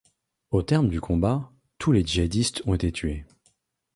Au terme du combat, tous les djihadistes ont été tués.